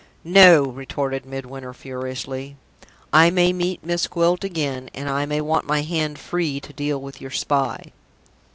"No!" retorted Midwinter, furiously. "I may meet Miss Gwilt again, and I may want my hand free to deal with your spy!"